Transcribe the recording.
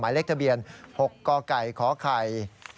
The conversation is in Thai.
เลขทะเบียน๖กไก่ขไข่